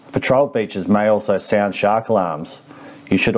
petrol pantai juga bisa menarik alarm burung